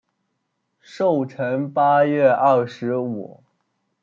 寿辰八月二十五。